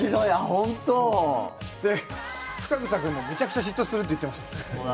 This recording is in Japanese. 深草君もめちゃくちゃ嫉妬するって言ってました。